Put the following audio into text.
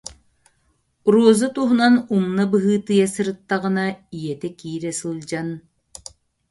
Роза туһунан умна быһыытыйа сырыттаҕына, ийэтэ киирэ сылдьан: